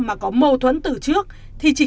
mà có mâu thuẫn từ trước thì chỉ